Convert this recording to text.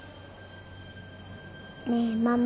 ねえママ。